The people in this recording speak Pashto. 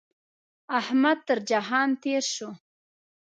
احمد تر جهان تېر شو.